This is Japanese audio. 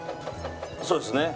そうですね。